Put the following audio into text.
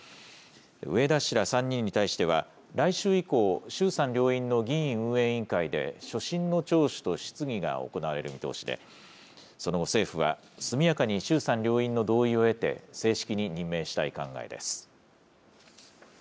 植田氏ら３人に対しては、来週以降、衆参両院の議院運営委員会で所信の聴取と質疑が行われる見通しで、その後、政府は、速やかに衆参両院の同意を得て、正式に任命したい考えです。